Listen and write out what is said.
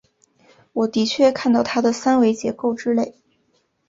我的确看到它的三维结构之类。